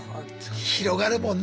広がるもんな。